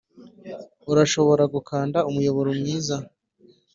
urashobora gukanda umuyoboro mwiza,